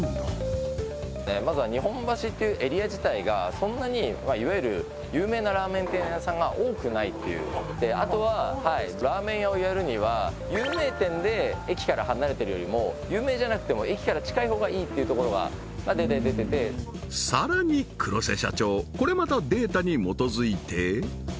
まずは日本橋っていうエリア自体がそんなにいわゆる有名なラーメン店屋さんが多くないっていうあとはラーメン屋をやるには有名店で駅から離れてるよりも有名じゃなくても駅から近い方がいいっていうところがデータで出ててさらに黒瀬社長